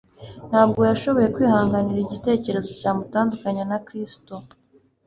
Ntabwo yashoboye kwihanganira igitekerezo cyamutandukanya na Kristo,